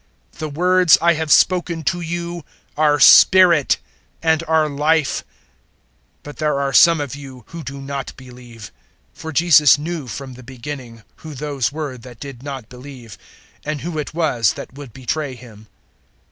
The words I have spoken to you are spirit and are Life. 006:064 But there are some of you who do not believe." For Jesus knew from the beginning who those were that did not believe, and who it was that would betray Him.